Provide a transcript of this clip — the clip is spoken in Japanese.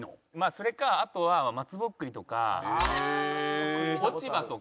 それかあとは松ぼっくりとか落ち葉とか。